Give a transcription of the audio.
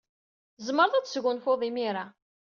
Tzemred ad tesgunfud imir-a.